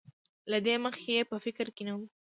له دې مخکې یې په فکر کې نه وو.